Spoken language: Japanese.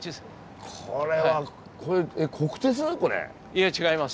いえ違います。